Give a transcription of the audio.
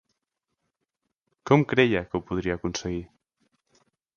Com creia que ho podria aconseguir?